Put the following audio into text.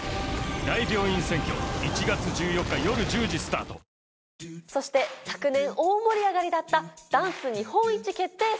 『大病院占拠』１月１４日夜１０時スタートそして昨年大盛り上がりだったダンス日本一決定戦。